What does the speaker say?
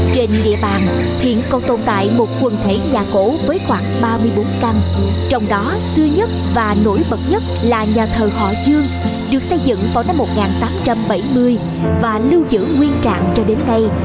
trên địa bàn hiện còn tồn tại một quần thể nhà cổ với khoảng ba mươi bốn căn trong đó xưa nhất và nổi bật nhất là nhà thờ họ chương được xây dựng vào năm một nghìn tám trăm bảy mươi và lưu giữ nguyên trạng cho đến nay